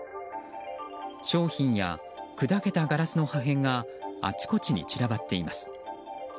商品や砕けたガラスの破片があちこちに散らばっています。